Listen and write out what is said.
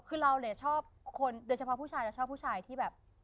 คือเราเนี่ยชอบคนโดยเฉพาะผู้ชายจะชอบผู้ชายที่แบบ